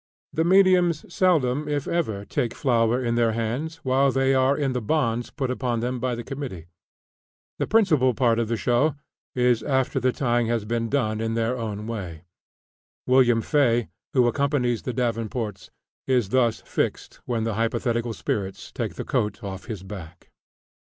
The mediums seldom if ever take flour in their hands while they are in the bonds put upon them by the committee. The principal part of the show is after the tying has been done in their own way. Wm. Fay, who accompanies the Davenports, is thus fixed when the hypothetical spirits take the coat off his back.